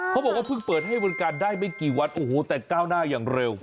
เขาบอกว่าเพิ่งเปิดให้บริการได้ไม่กี่วันโอ้โหแต่ก้าวหน้าอย่างเร็ว